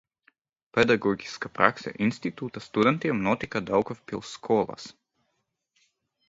Pedagoģiskā prakse institūta studentiem notika Daugavpils skolās.